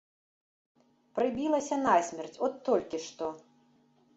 Прыбілася насмерць, от толькі што.